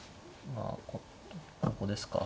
まあここですか。